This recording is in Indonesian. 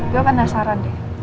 gue penasaran ya